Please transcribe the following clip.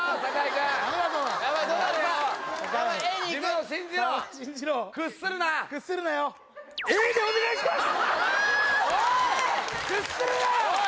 Ａでお願いします